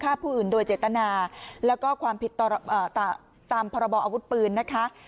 ฆ่าผู้อื่นโดยเจตนาแล้วก็ความผิดตามพรบออาวุธปืนนะคะ